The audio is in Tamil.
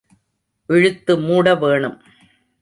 இழுத்து மூட வேணும்.